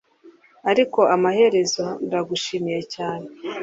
ariko amaherezo, ndagushimiye cyane.